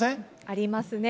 ありますね。